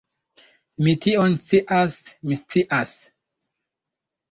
Mi tion scias, mi scias!